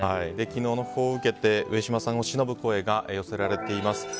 昨日の訃報を受けて上島さんをしのぶ声が寄せられています。